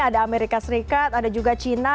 ada amerika serikat ada juga china